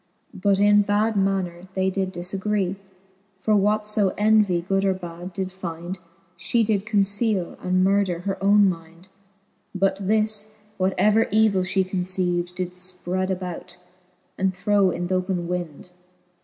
But in bad maner they did difagree ; For what fo Envie good or bad did fynd^ She did conceale, and murder her owne mynd : But this, what ever evil 1 fhe conceived. Did fpred abroad, and throw in th*open wynd.